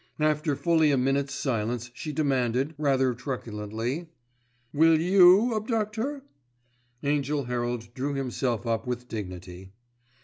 After fully a minute's silence she demanded, rather truculently, "Will you abduct her?" Angell Herald drew himself up with dignity.